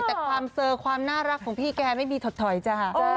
แต่ความเซอร์ความน่ารักของพี่แกไม่มีถอดถอยจ้ะ